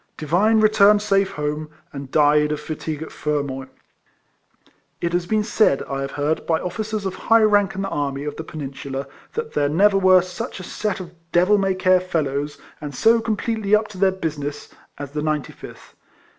Divine returned safe home, and died of fatigue at Fermoy. It has been said, I have heard, by officers of high rank in the army of the Peninsula, that there never were such a set of devil may care fellows, and so completely up to their business, as the 95th.